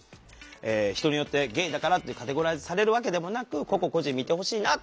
人によってゲイだからってカテゴライズされるわけでもなく個々個人見てほしいなと思ってこれ。